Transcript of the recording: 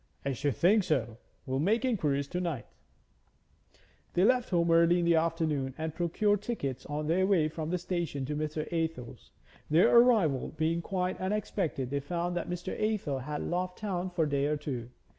'I should think so. We'll make inquiries to night.' They left home early in the afternoon and procured tickets on their way from the station to Mr. Athel's. Their arrival being quite unexpected, they found that Mr. Athel had loft town for a day or two.